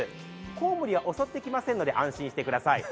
こうもりは襲ってきませんので安心してください。